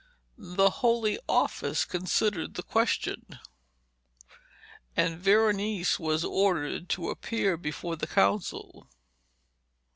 The Holy Office considered the question, and Veronese was ordered to appear before the council.